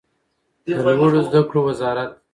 د لوړو زده کړو وزارت